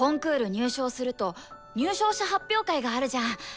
入賞すると入賞者発表会があるじゃん。